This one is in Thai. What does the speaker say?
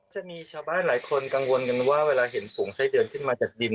จะมีชาวบ้านหลายคนกังวลกันว่าเวลาเห็นฝูงไส้เดือนขึ้นมาจากดิน